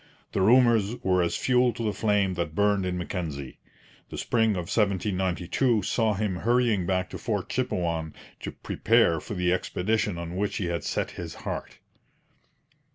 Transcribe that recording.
The rumours were as fuel to the flame that burned in Mackenzie. The spring of 1792 saw him hurrying back to Fort Chipewyan to prepare for the expedition on which he had set his heart.